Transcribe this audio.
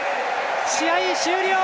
試合終了！